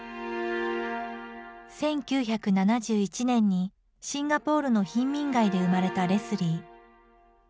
１９７１年にシンガポールの貧民街で生まれたレスリー。